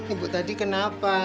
ibu tadi kenapa